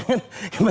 gak jadi deh pak